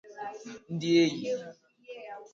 ndị enyi